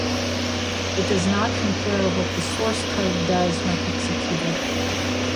It does not compare what the source code does when executed.